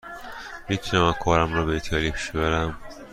می تونم کارم را به ایتالیایی پیش ببرم.